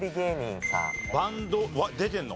バンドは出てるの？